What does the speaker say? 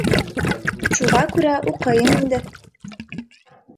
Шуға күрә уҡыйым инде.